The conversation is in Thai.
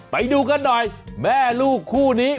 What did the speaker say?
ไปดูกันหน่อยแม่ลูกคู่นี้